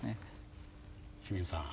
清水さん。